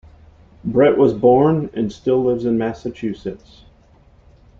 Brett was born and still lives in Massachusetts.